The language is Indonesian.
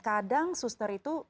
kadang suster itu